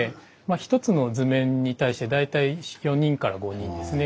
１つの図面に対して大体４５人ですね。